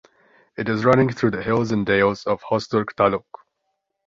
It is running through the hills and dales of Hosdurg Taluk.